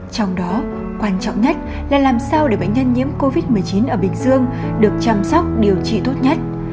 trong đó quan trọng nhất là làm sao để bệnh nhân nhiễm covid một mươi chín ở bình dương được chăm sóc điều trị tốt nhất